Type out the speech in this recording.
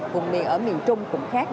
vùng miền ở miền trung cũng khác